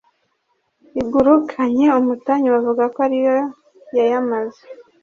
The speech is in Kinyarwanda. igurukanye umutanyu bavuga ko ari yo yayamaze